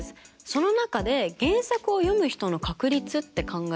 その中で原作を読む人の確率って考えると？